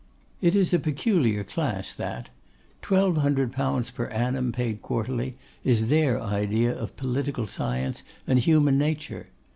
It is a peculiar class, that; 1,200_l._ per annum, paid quarterly, is their idea of political science and human nature.